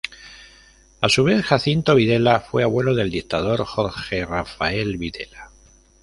A Su vez, Jacinto Videla fue abuelo del dictador Jorge Rafael Videla.